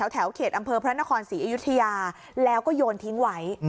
แถวเขตอำเภอพระนครศรีอยุธยาแล้วก็โยนทิ้งไว้